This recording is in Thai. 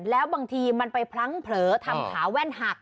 แล้วบางทีมันไปพลั้งเผลอทำขาแว่นหัก